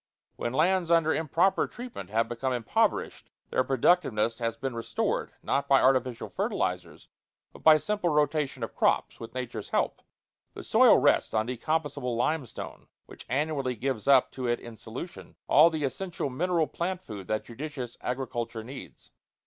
When lands under improper treatment have become impoverished, their productiveness has been restored, not by artificial fertilizers, but by simple rotation of crops, with nature's help. The soil rests on decomposable limestone, which annually gives up to it in solution all the essential mineral plant food that judicious agriculture needs.